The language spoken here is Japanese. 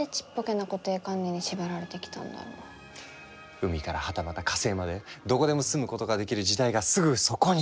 海からはたまた火星までどこでも住むことができる時代がすぐそこに！